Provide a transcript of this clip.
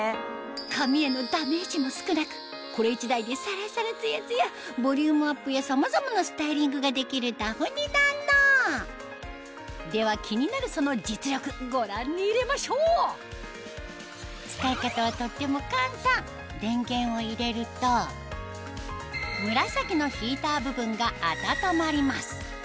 髪へのダメージも少なくこれ１台でサラサラツヤツヤボリュームアップやさまざまなスタイリングができるダフニナノでは気になるその実力ご覧に入れましょう使い方はとっても簡単電源を入れると紫のヒーター部分が温まります